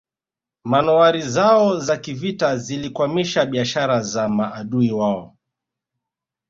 Manowari zao za kivita zilikwamisha biashara za maadui wao